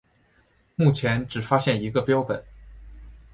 目前只有发现一个标本。